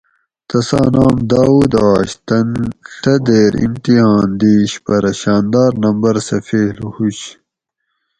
تساں نام داؤد آش تن ڷ دیر امتحان دیش پرہ شانداۤر نمبر سہ فیل ھوش